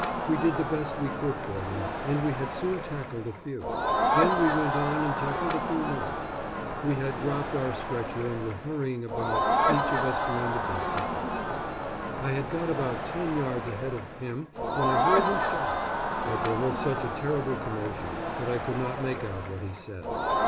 We did the best we could for them; and we had soon tackled a few. Then we went on and tackled a few more. We had dropped our stretcher and were hurrying about, each of us doing the best he could. I had got about ten yards ahead of Pymm, when I heard him shout; but there was such a terrible commotion that I could not make out what he said.